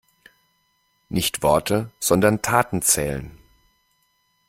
Nicht Worte, sondern Taten zählen.